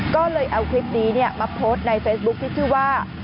ก็เลยเอาคลิปนี้มาโพสต์ในเฟซบุ๊คที่ชื่อว่า